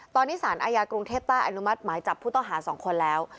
ตอนนี้สารอาญากรุงเทพใต้อนุมัติหมายจับผู้ต้องหา๒คนแล้ว